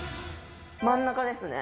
真ん中ですね。